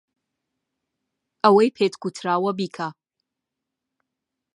ئەوەی پێت گوتراوە بیکە.